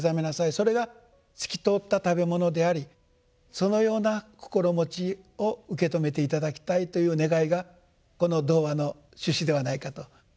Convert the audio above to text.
それが「すきとほつたたべもの」でありそのような心持ちを受け止めて頂きたいという願いがこの童話の趣旨ではないかと。